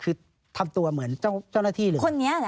คือทำตัวเหมือนเจ้าหน้าที่เหลือ